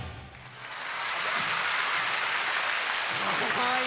かわいい。